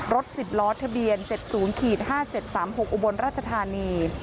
๑๐ล้อทะเบียน๗๐๕๗๓๖อุบลราชธานี